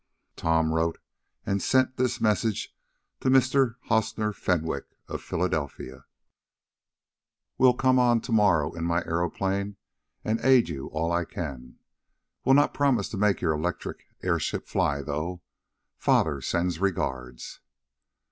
Tom wrote and sent this message to Mr. Hostner Fenwick, of Philadelphia: "Will come on to morrow in my aeroplane, and aid you all I can. Will not promise to make your electric airship fly, though. Father sends regards."